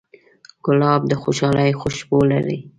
ګلاب د خوشحالۍ خوشبو لري.